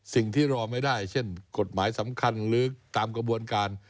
สิ่งที่รอไม่ได้เช่นกฎหมายสำคัญหรือตามกระบวนการ